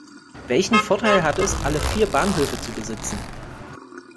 Welchen Vorteil hat es, alle vier Bahnhöfe zu besitzen?